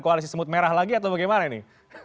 koalisi semut merah lagi atau bagaimana ini